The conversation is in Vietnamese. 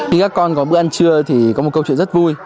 khi các con có bữa ăn trưa thì có một câu chuyện rất vui